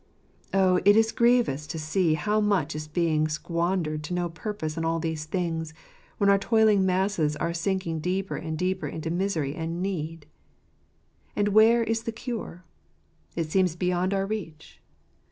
T)hj it is grievous to see how much is being squandered to no purpose on all these things, when our toiling masses are sinkingdeeper and, deeper into misery and need] And where is the cure?. It seems beyond our reach.